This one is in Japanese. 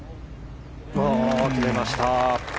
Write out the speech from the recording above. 決めました。